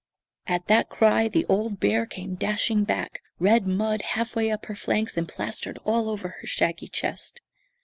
At that cry the old bear came dashing back, red mud half way up her flanks and plastered all over her shaggy chest.